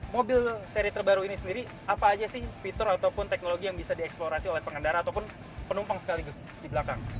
mobil seri terbaru ini sendiri apa aja sih fitur ataupun teknologi yang bisa dieksplorasi oleh pengendara ataupun penumpang sekaligus di belakang